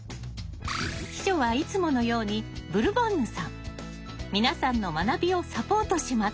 秘書はいつものように皆さんの学びをサポートします。